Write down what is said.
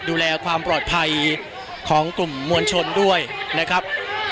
ดูแลความปลอดภัยของกลุ่มมวลชนด้วยนะครับ